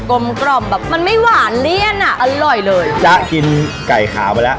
ลมกล่อมแบบมันไม่หวานเลี่ยนอ่ะอร่อยเลยจ๊ะกินไก่ขาวมาแล้ว